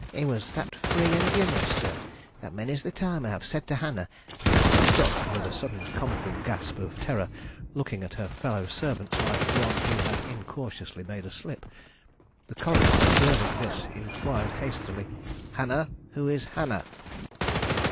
He was that free and ginerous, sir, that many's the time I have said to Hannah " She stopped, with a sudden comical gasp of terror, looking at her fellow servants like one who had incautiously made a slip. The coroner, observing this, inquired hastily: "Hannah? Who is Hannah?"